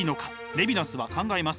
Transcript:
レヴィナスは考えます。